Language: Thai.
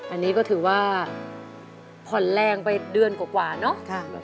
อันนี้ก็ถือว่าผ่อนแรงไปเดือนกว่าเนอะ